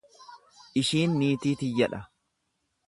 Ishiin niitii tiyya dha.